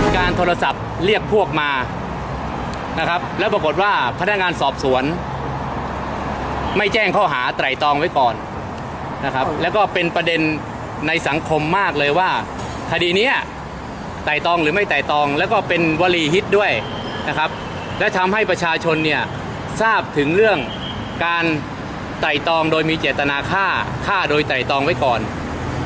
การโทรศัพท์เรียกพวกมานะครับแล้วปรากฏว่าพนักงานสอบสวนไม่แจ้งข้อหาไตรตองไว้ก่อนนะครับแล้วก็เป็นประเด็นในสังคมมากเลยว่าคดีเนี้ยไต่ตองหรือไม่ไต่ตองแล้วก็เป็นวรีฮิตด้วยนะครับและทำให้ประชาชนเนี่ยทราบถึงเรื่องการไต่ตองโดยมีเจตนาฆ่าฆ่าโดยไตรตองไว้ก่อน